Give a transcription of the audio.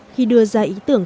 khi đưa ra ý tưởng